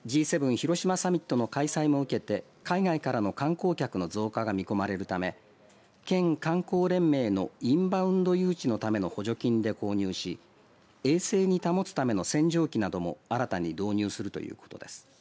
広島サミットの開催も受けて海外からの観光客の増加が見込まれるため県観光連盟のインバウンド誘致のための補助金で購入し衛生に保つための洗浄機なども新たに導入するということです。